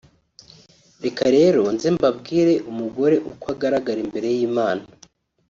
reka rero nze mbabwire umugore uko agaragara imbere y’Imana